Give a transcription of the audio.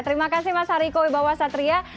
terima kasih mas hariko wibawa satria